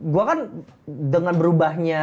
gue kan dengan berubahnya